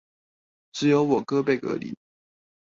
只有我哥被隔離